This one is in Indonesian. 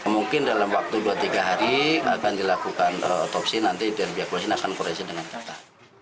mungkin dalam waktu dua tiga hari akan dilakukan autopsi nanti diakulasi akan koreksi dengan kata